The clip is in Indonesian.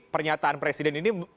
pernyataan presiden ini